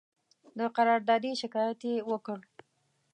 د قراردادي شکایت یې وکړ.